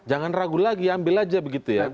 jangan ragu lagi ambil aja begitu ya